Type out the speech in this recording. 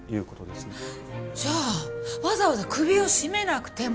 じゃあわざわざ首を絞めなくても。